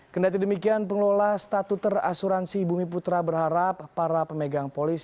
kendati demikian pengelola statuter asuransi bumi putra berharap para pemegang polis